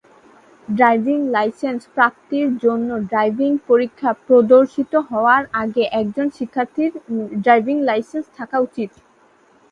Driving licence প্রাপ্তির জন্য driving পরীক্ষা প্রদর্শিত হওয়ার আগে একজন শিক্ষার্থীর ড্রাইভিং লাইসেন্স থাকা উচিত।